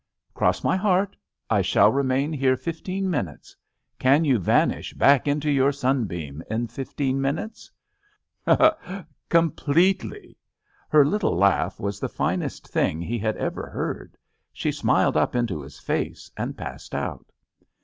"Cross my heart! I shall remain here fif teen minutes. Can you vanish back into your sunbeam in fifteen minutes?" "Completely." Her little laugh was the finest thing he had ever heard. She smiled up into his face and passed out.